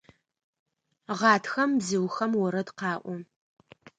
Гъатхэм бзыухэм орэд къаӏо.